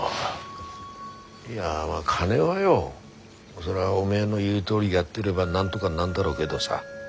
いやまあ金はよそりゃおめえの言うとおりやってればなんとがなんだろうけどさ